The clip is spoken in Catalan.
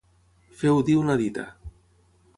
Fer o dir una dita.